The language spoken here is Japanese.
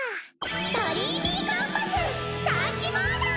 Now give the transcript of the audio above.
ドリーミーコンパスサーチモード！